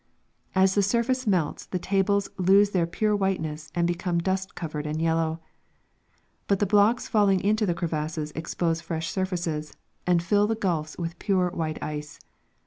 As the sur face melts the tables lose their pure whiteness and become dust covered and yellow ; but the blocks falling into the crevasses expose fresh surfaces, and fill the gulfs with pure white ice.